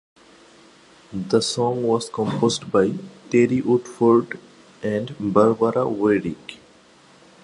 The song was composed by Terry Woodford and Barbara Wyrick.